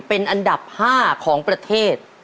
เป็นอันดับ๕ของประเทศ